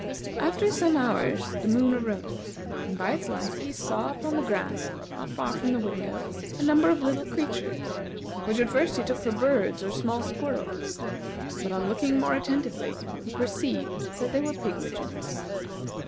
After some hours the moon arose, and by its light he saw upon the grass, not far from his window, a number of little creatures, which at first he took for birds or small squirrels; but on looking more attentively he perceived that they were pigwidgeons.